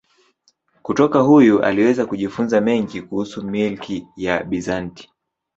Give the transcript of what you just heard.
Kutoka huyu aliweza kujifunza mengi kuhusu milki ya Bizanti.